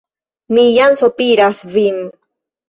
Mi jam sopiras vin.